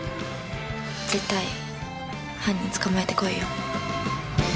絶対犯人捕まえてこいよ。